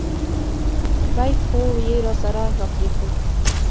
بیک خو یې راسره را پرېښود.